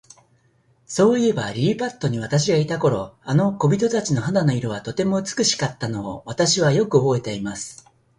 そういえば、リリパットに私がいた頃、あの小人たちの肌の色は、とても美しかったのを、私はよくおぼえています。